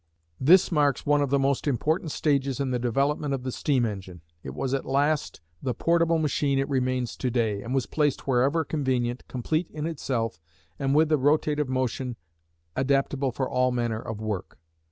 This marks one of the most important stages in the development of the steam engine. It was at last the portable machine it remains to day, and was placed wherever convenient, complete in itself and with the rotative motion adaptable for all manner of work.